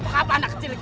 lepaskan anakku ibu itu